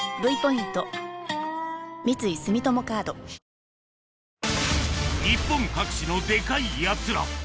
何⁉日本各地のデカいやつら